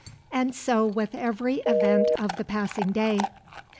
And so with every event of the passing day.